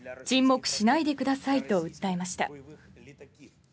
沈黙しないでくださいと訴えました。